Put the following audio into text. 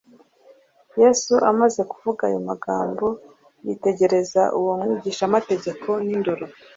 Yesu amaze kuvuga ayo magambo yitegereza uwo mwigishamategeko n'indoro